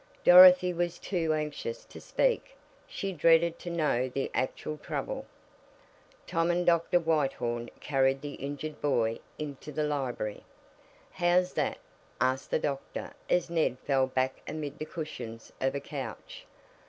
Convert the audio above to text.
Dorothy was too anxious to speak she dreaded to know the actual trouble. Tom and Dr. Whitethorn carried the injured boy into the library. "How's that?" asked the doctor as Ned fell back amid the cushions of a couch.